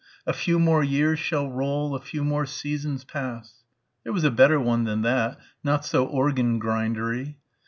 "A few more years shall roll ... A few more seasons pass...." There was a better one than that ... not so organ grindery.